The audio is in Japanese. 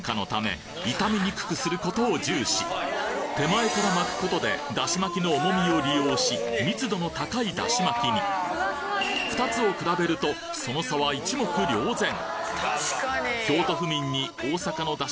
京都では手前から巻くことでだし巻きの重みを利用し密度の高いだし巻きに２つを比べるとその差は一目瞭然！